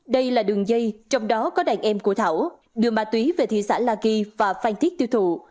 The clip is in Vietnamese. đây là đường dây trong đó có đàn em của thảo đưa ma túy về thị xã la ghi và phan thiết tiêu thụ